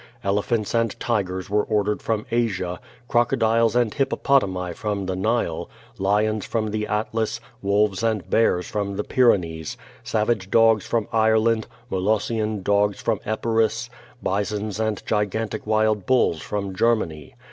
Elephants and tigers were ordered from Asiii, crocodiles and hippopotami from the Nile, lions from the Atlas, wolves and bears from the Pyrenees, savage dogs from Ireland, Molossian dogs from Epirus, bisons and gigantic wild bulls from Germany.